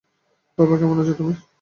বাবা, কেমন আছো তুমি?